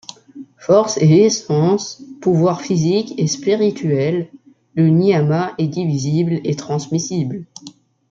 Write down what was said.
Force et essence, pouvoir physique et spirituel, le nyiama est divisible et transmissible.